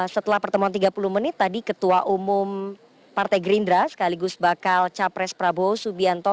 setelah pertemuan tiga puluh menit tadi ketua umum partai gerindra sekaligus bakal capres prabowo subianto